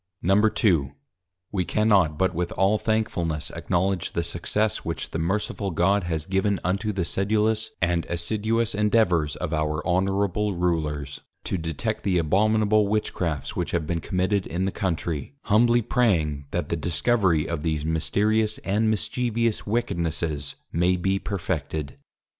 _ II. _We cannot but with all Thankfulness acknowledge, the Success which the merciful God has given unto the sedulous and assiduous Endeavors of our honourable Rulers, to detect the abominable Witchcrafts which have been committed in the Country; humbly praying that the discovery of these mysterious and mischievous Wickednesses, may be perfected.